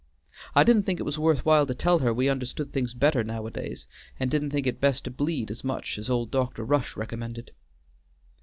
I didn't think it was worth while to tell her we understood things better nowadays, and didn't think it best to bleed as much as old Dr. Rush recommended."